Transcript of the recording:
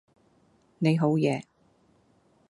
你好嘢